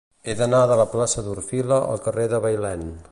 He d'anar de la plaça d'Orfila al carrer de Bailèn.